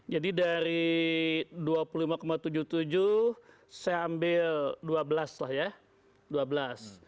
jadi dari dua puluh lima tujuh puluh tujuh saya ambil dua belas lah ya